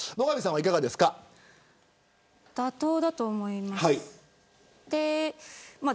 妥当だと思います。